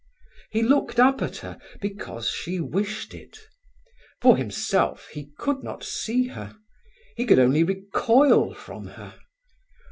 He looked up at her because she wished it. For himself, he could not see her; he could only recoil from her.